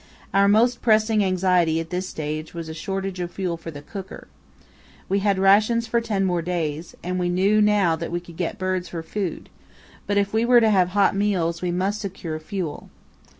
Our most pressing anxiety at this stage was a shortage of fuel for the cooker. We had rations for ten more days, and we knew now that we could get birds for food; but if we were to have hot meals we must secure fuel.